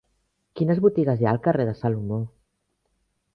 Quines botigues hi ha al carrer de Salomó?